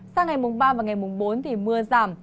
sang ngày mùng ba và ngày mùng bốn thì mưa giảm